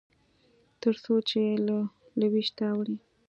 تر څو چې له لوېشته اوړي.